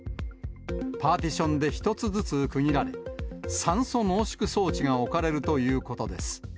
パーティションで一つずつ区切られ、酸素濃縮装置が置かれるということです。